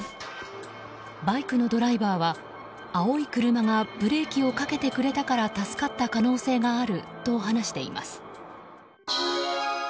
バイクのドライバーは青い車がブレーキをかけてくれたから助かった可能性があると話しています。